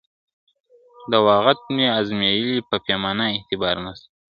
دا واعظ مي آزمېیلی په پیمان اعتبار نسته ..